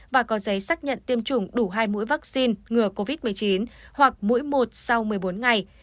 và có giấy xác nhận tiêm chủng đủ hai mũi vaccine ngừa covid một mươi chín hoặc mũi một sau một mươi bốn ngày